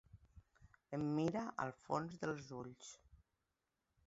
Em mira al fons dels ulls.